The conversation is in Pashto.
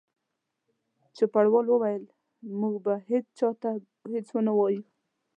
چوپړوال وویل: موږ به هیڅ چا ته هیڅ ونه وایو.